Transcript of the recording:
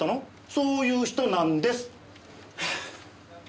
そういう人なんです！